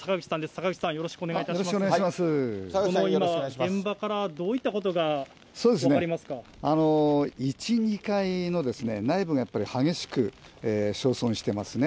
坂口さん、この現場からどういったこと１、２階の内部がやっぱり激しく焼損してますね。